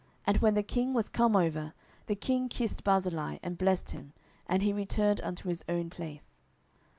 And when the king was come over, the king kissed Barzillai, and blessed him; and he returned unto his own place.